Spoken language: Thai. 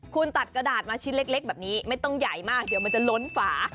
คุณตัดกระดาษมาชิ้นเล็กแบบนี้ไม่ต้องใหญ่มากเดี๋ยวมันจะล้นฝา